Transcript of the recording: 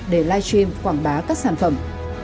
để live stream quảng bá các sản phẩm